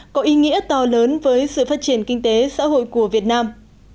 có ý nghĩa to lớn với sự phát triển kinh tế xã hội của việt nam